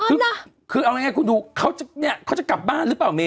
เอาล่ะคือเอาไงคุณดูเขาจะเนี้ยเขาจะกลับบ้านหรือเปล่าเม